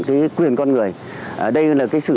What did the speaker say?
cái quyền con người ở đây là cái sự